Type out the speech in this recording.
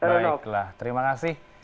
baiklah terima kasih